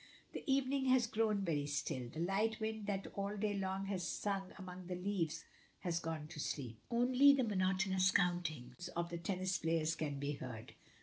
The evening has grown very still. The light wind that all day long has sung among the leaves has gone to sleep. Only the monotonous countings of the tennis players can be heard.